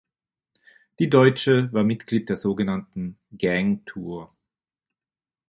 Die Deutsche war Mitglied der sogenannten "Gang Tour".